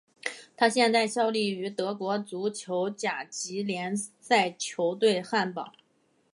他现在效力于德国足球甲级联赛球队汉堡。